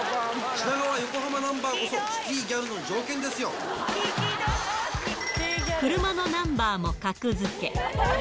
品川・横浜ナンバーこそ、車のナンバーも格付け。